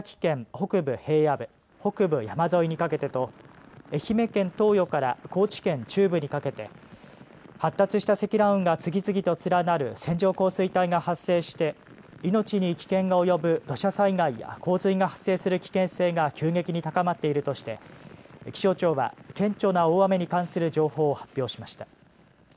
北部平野部北部山沿いにかけてと愛媛県東予から高知県中部にかけて発達した積乱雲が次々と連なる線状降水帯が発生して命に危険が及ぶ土砂災害や洪水が発生する危険性が急激に高まっているとして気象庁は顕著な大雨に関する情報を発表しました。